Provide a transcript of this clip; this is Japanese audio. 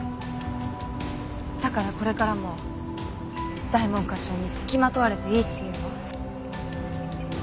だからこれからも大門課長に付きまとわれていいっていうの？